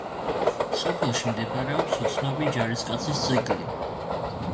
სოფელში მდებარეობს უცნობი ჯარისკაცის ძეგლი.